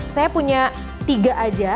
saya punya tiga aja